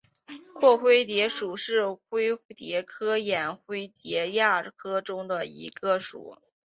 拓灰蝶属是灰蝶科眼灰蝶亚科中的一个属。